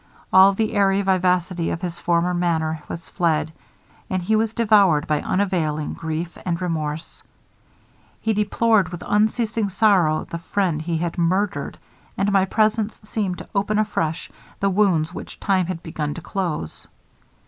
All the airy vivacity of his former manner was fled, and he was devoured by unavailing grief and remorse. He deplored with unceasing sorrow the friend he had murdered, and my presence seemed to open afresh the wounds which time had begun to close.